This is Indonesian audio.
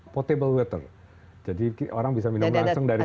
potable water jadi orang bisa minum langsung dari tap